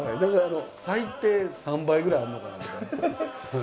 最低３倍ぐらいあるのかなと。